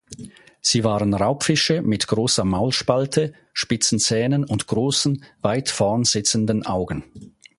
Sie waren Raubfische mit großer Maulspalte, spitzen Zähnen und großen, weit vorn sitzenden Augen.